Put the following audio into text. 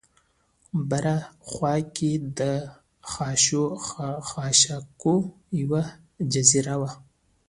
بره خوا کې د خاشاکو یوه جزیره وه.